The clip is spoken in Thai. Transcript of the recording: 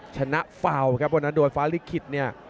ชนะเฝาครับวันนั้นโดนฟ้าลิคิตเนี่ย